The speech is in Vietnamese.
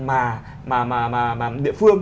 mà địa phương